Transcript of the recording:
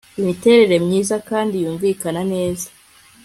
imiterere myiza kandi yumvikana neza